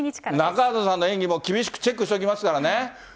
中畑さんの演技も厳しくチェックしておきますからね。